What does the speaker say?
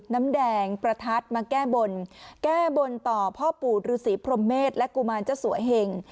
น้ำแดงประทัดมาแก้บนแก้บนต่อพ่อปู่ฤษีพรมเมษและกุมารเจ้าสัวเหง